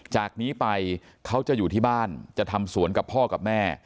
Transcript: จากนี้ไปเขาจะอยู่ที่บ้านจะทำสวนกับพ่อกับแม่